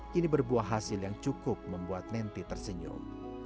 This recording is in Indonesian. kini berbuah hasil yang cukup membuat nenty tersenyum